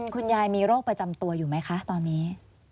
คุณยายมีโรคประจำตัวอยู่ไหมคะตอนนี้